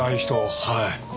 はい。